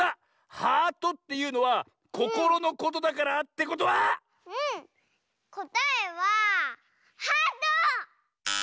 「ハート」っていうのはココロのことだからってことは⁉うんこたえは「ハート」！